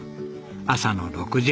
朝の６時半。